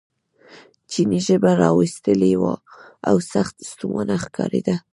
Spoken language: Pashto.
چیني ژبه را ویستلې وه او سخت ستومانه ښکارېده.